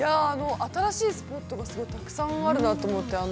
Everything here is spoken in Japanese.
◆新しいスポットがたくさんあるなと思って。